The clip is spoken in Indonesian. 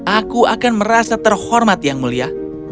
aku akan merasa terhormat yang mulia